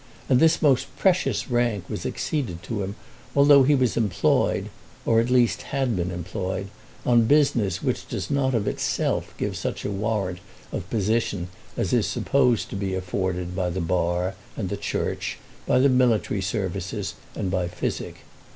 And this most precious rank was acceded to him although he was employed, or at least had been employed, on business which does not of itself give such a warrant of position as is supposed to be afforded by the bar and the church, by the military services and by physic.